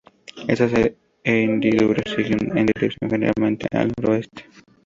Estas hendiduras siguen una dirección generalmente al noroeste.